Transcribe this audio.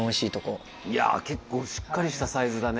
結構しっかりしたサイズだね。